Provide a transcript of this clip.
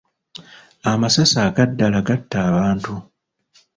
Amasasi aga ddala gatta abantu.